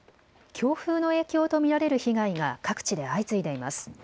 強風の影響と見られる被害が各地で相次いでいます。